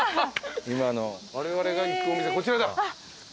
われわれが行くお店こちらだ。